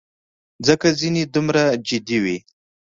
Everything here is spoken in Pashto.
ځکه ځینې یې دومره جدي وې.